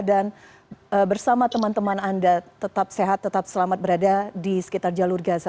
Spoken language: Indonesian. dan bersama teman teman anda tetap sehat tetap selamat berada di sekitar jalur gaza